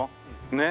ねっ。